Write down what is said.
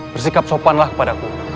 bersikap sopanlah kepadaku